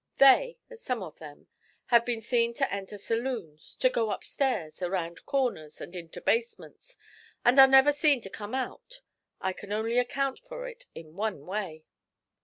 They, some of them, have been seen to enter saloons, to go upstairs, around corners, and into basements, and are never seen to come out I can only account for it in one way.'